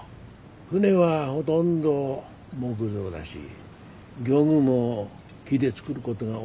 船はほとんど木造だし漁具も木で作るこどが多がった。